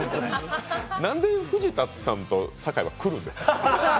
なんで藤田さんと酒井は来るんですか？